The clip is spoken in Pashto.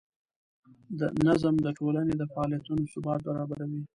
نظم د ټولنې د فعالیتونو ثبات برابروي.